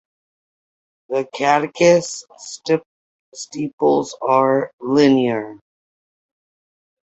The caducous stipules are linear.